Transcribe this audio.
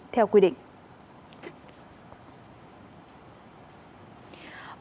theo quy định